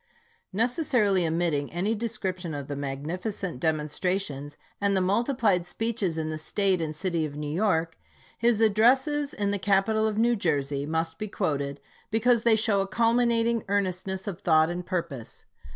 Necessarily omitting any description of the magnificent demonstrations, and the multiplied speeches in the State and city of New York, his addresses in the capital of New Jersey must be quoted, because they show a culminating ear nestness of thought and purpose.